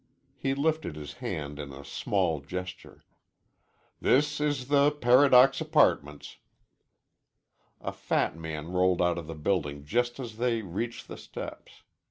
He lifted his hand in a small gesture. "This is the Paradox Apartments." A fat man rolled out of the building just as they reached the steps.